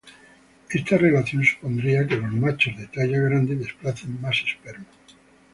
Esta relación supondría que los machos de talla grande desplacen más esperma.